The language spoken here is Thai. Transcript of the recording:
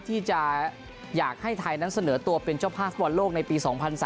ที่จะอยากให้ไทยนั้นเสนอตัวเป็นเจ้าภาพฟุตบอลโลกในปี๒๐๐๓